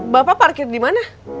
bapak parkir di mana